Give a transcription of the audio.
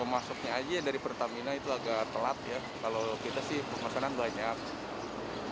masuknya aja dari pertamina itu agak telat ya kalau kita sih pemesanan banyak